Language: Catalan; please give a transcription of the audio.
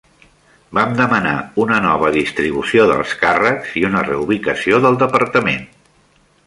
Vam demanar una nova distribució dels càrrecs i una reubicació del departament.